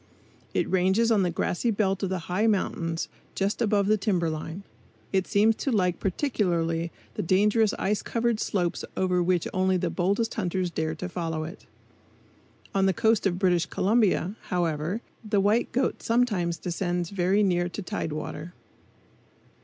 It ranges on the grassy belt of the high mountains just above the timber line. It seems to like particularly the dangerous ice covered slopes over which only the boldest hunters dare to follow it. On the coast of British Columbia, however, the white goat sometimes descends very near to tide water.